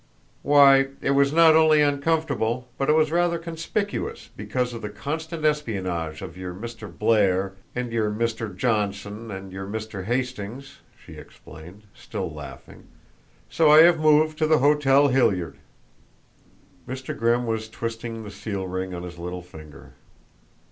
"Why, it was not only uncomfortable, but it was rather conspicuous because of the constant espionage of your Mr. Blair and your Mr. Johnson and your Mr. Hastings," she explained, still laughing. "So I have moved to the Hotel Hilliard." Mr. Grimm was twisting the seal ring on his little finger.